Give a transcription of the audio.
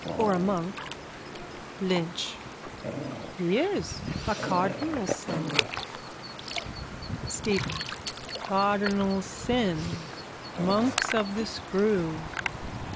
Or a monk. LYNCH: He is. A cardinal's son. STEPHEN: Cardinal sin. Monks of the screw.